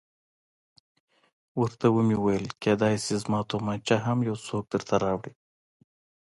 ورته ومې ویل کېدای شي زما تومانچه هم یو څوک درته راوړي.